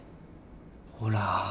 ほら。